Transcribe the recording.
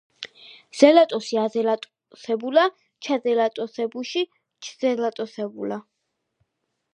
ზელატოსი აზელატოსებულა ჩაზელატოსებუში ჩზელატოსებულა